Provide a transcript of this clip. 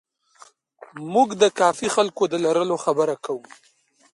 موږ د کافي خلکو د لرلو خبره کوو.